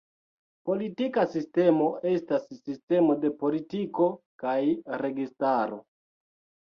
Politika sistemo estas sistemo de politiko kaj registaro.